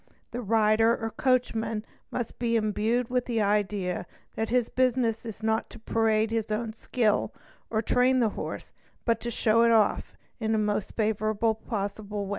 The rider or coachman must be imbued with the idea that his business is not to parade his own skill, or train the horse, but only to show it off in the most favourable way possible.